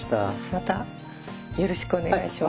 またよろしくお願いします。